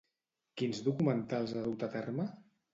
Quins documentals ha dut a terme?